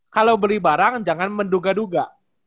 kalau beli barang jangan menduga duga